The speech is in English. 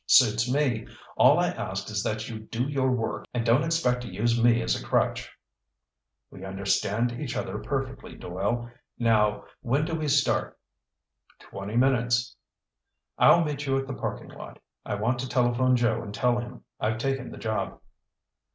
"Suits me. All I ask is that you do your work and don't expect to use me as a crutch." "We understand each other perfectly, Doyle. Now when do we start?" "Twenty minutes." "I'll meet you at the parking lot. I want to telephone Joe and tell him I've taken the job."